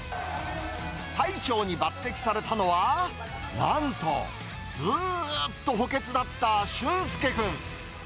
大将に抜てきされたのは、なんと、ずっと補欠だった俊介君。